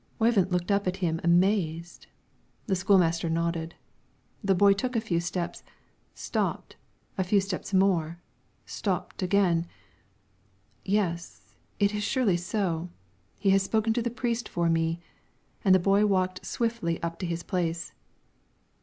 Oyvind looked up at him amazed; the school master nodded; the boy took a few steps, stopped, a few steps more, stopped again: "Yes, it surely is so; he has spoken to the priest for me," and the boy walked swiftly up to his place.